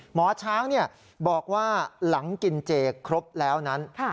หมอช้างบอกว่าหลังกินเจครบแล้วนั้น